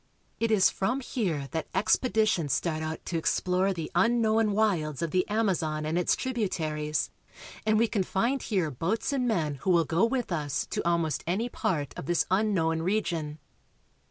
It is from here that expeditions start out to explore the unknown wilds of the Amazon and its tributaries, and we can find here boats and men who will go with us to almost any part of this unknown region.